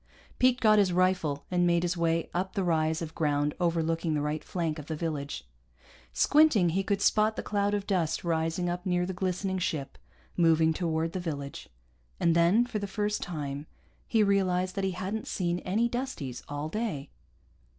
Pete got his rifle and made his way up the rise of ground overlooking the right flank of the village. Squinting, he could spot the cloud of dust rising up near the glistening ship, moving toward the village. And then, for the first time, he realized that he hadn't seen any Dusties all day.